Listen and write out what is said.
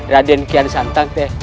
raden kian santang